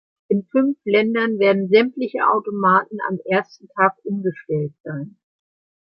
In fünf Ländern werden sämtliche Automaten am ersten Tag umgestellt sein.